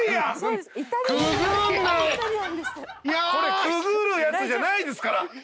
これくぐるやつじゃないですから！